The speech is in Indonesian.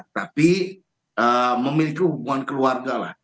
tapi memiliki hubungan keluarga lah